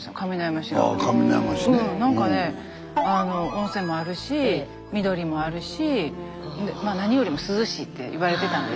温泉もあるし緑もあるし何よりも涼しいって言われてたので。